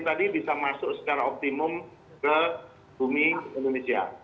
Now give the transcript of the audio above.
jadi bisa masuk secara optimum ke bumi indonesia